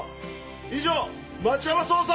以上町山捜査！